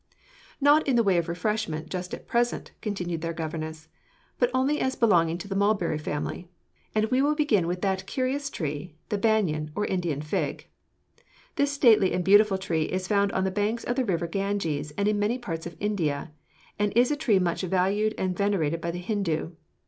] "Not in the way of refreshments, just at present," continued their governess, "but only as belonging to the mulberry family; and we will begin with that curious tree the banyan, or Indian fig. This stately and beautiful tree is found on the banks of the river Ganges and in many parts of India, and is a tree much valued and venerated by the Hindu.